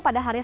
pada hari ini